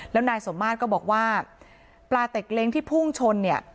แล้วนายสมมาตรก็บอกว่าปลาเต็กเล้งที่พุ่งชนเนี่ย